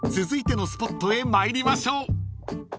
［続いてのスポットへ参りましょう］